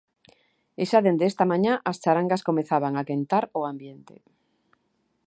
E xa dende esta mañá as charangas comezaban a quentar o ambiente.